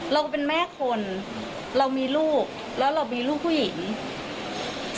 เราเป็นแม่คนเรามีลูกแล้วเรามีลูกผู้หญิง